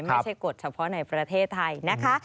กฎเฉพาะในประเทศไทยนะคะ